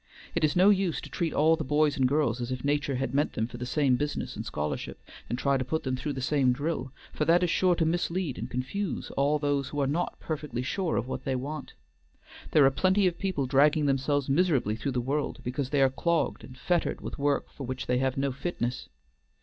It is no use to treat all the boys and girls as if nature had meant them for the same business and scholarship, and try to put them through the same drill, for that is sure to mislead and confuse all those who are not perfectly sure of what they want. There are plenty of people dragging themselves miserably through the world, because they are clogged and fettered with work for which they have no fitness.